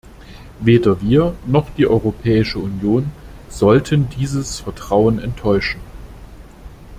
Weder wir noch die Europäische Union sollten dieses Vertrauen enttäuschen.